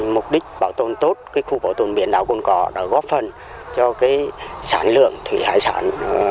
mục đích bảo tồn tốt khu bảo tồn biển đảo cồn cỏ đã góp phần cho sản lượng thủy hải sản